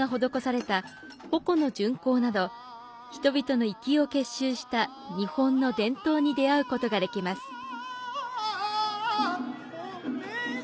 人々の粋を結集した日本の伝統に出会うことができます。